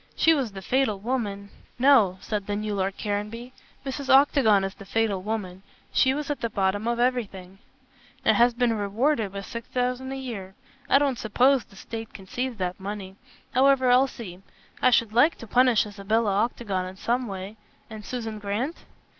She was the fatal woman " "No," said the new Lord Caranby, "Mrs. Octagon is the fatal woman. She was at the bottom of everything." "And has been rewarded with six thousand a year. I don't suppose the State can seize that money. However, I'll see. I should like to punish Isabella Octagon in some way. And Susan Grant?"